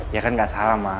ya kan nggak salah mah